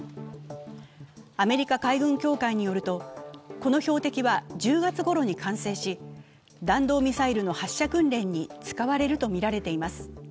アメリカ海軍協会によると、この標的は１０月ころに完成し、弾道ミサイルの発射訓練に使われるとみられています。